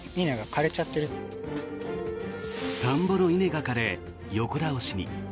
田んぼの稲が枯れ横倒しに。